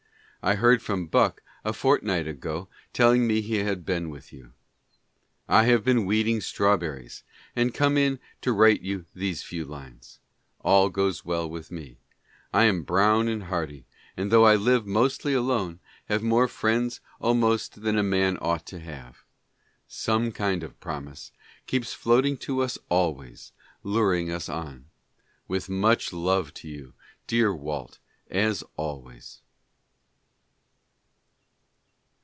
I heard from Bucke a fortnight a°;o telling me he had been with you. I have just been weeding strawberries and come in to write you these few lines. All goes well with me. I am brown and hardy — and tho' I live mostly alone, have more friends almost than a man ought to have. Some kind of promise keeps floating to us always, luring us on. With much love to you, dear Walt, as always.